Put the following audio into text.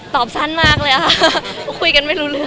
ตอบสั้นเลยอะไปคุยกันไม่รู้เรื่อง